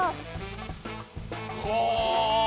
はあ！